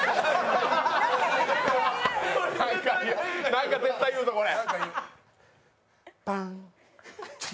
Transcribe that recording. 何か絶対言うぞ、これ。